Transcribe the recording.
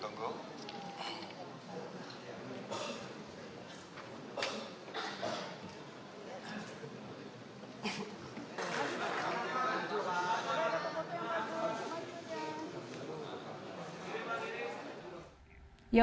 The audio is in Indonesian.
dpr menkumham jumat pertama